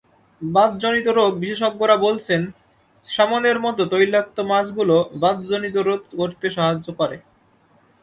বাতজনিত রোগ বিশেষজ্ঞরা বলছেন, স্যামনের মতো তৈলাক্ত মাছগুলো বাতজনিত রোধ করতে সাহায্য করে।